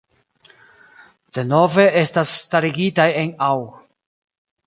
Denove estas starigitaj en aŭg.